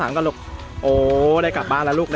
อารีมากมายลูก